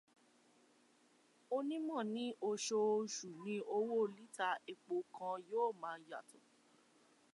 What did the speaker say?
Onímọ̀ ní oṣooṣù ni owó lítà epò kan yóò máa yàtọ̀.